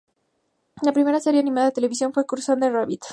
La primera serie animada de televisión fue Crusader Rabbit.